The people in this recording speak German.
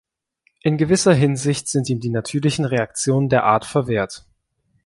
In gewisser Hinsicht sind ihm die natürlichen Reaktionen der Art verwehrt.